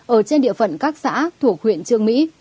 ở trên địa phận các xã thuộc huyện trương mỹ